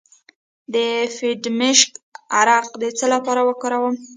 د بیدمشک عرق د څه لپاره وکاروم؟